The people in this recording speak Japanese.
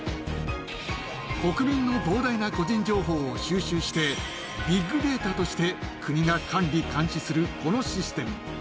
国民の膨大な個人情報を収集して、ビッグデータとして国が管理・監視する、このシステム。